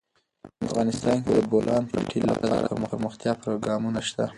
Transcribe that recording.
افغانستان کې د د بولان پټي لپاره دپرمختیا پروګرامونه شته.